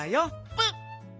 プッ！